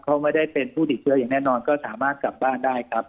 เขาไม่ได้เป็นผู้ติดเชื้ออย่างแน่นอนก็สามารถกลับบ้านได้ครับ